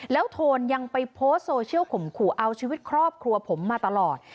แล้วโทนยังไปโพสต์โซเชียลข่มขู่เอาชีวิตครอบครัวผมมาตลอด